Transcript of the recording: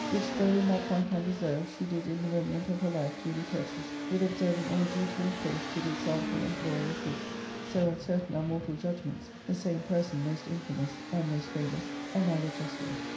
Which though in that point undeserved, she did in the remnant of her life duly purchase, with observing all duty and faith to the example and glory of Greece ; so un certain are mortal judgments, the same person most infamous, and most famous, and neither justly.